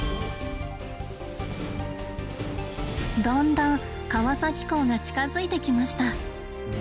だんだん川崎港が近づいてきました。